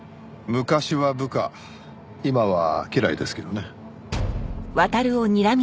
昔は部下今は家来ですけどね。